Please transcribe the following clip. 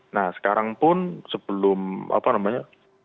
nah sekarang pun sebelum apa namanya